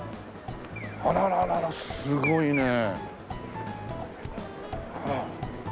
あららららすごいね。